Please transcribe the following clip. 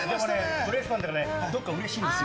プロレスファンだからね、どこかうれしいんですよ。